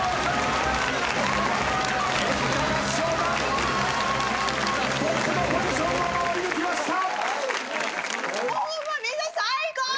演歌合唱団トップのポジションを守り抜きました！